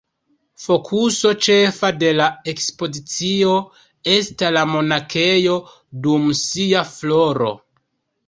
Fokuso ĉefa de la ekspozicio esta la monakejo dum sia floro.